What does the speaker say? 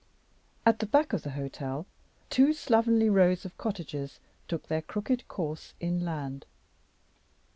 At the back of the hotel, two slovenly rows of cottages took their crooked course inland.